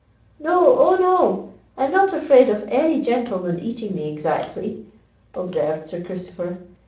"No—oh! no! I'm not afraid of any gentleman eating me, exactly," observed Sir Christopher.